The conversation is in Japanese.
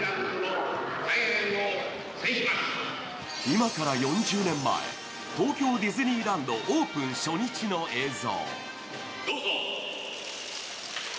今から４０年前、東京ディズニーランド、オープン初日の映像。